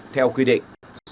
theo quy định